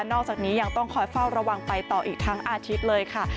อกจากนี้ยังต้องคอยเฝ้าระวังไปต่ออีกทั้งอาทิตย์เลยค่ะ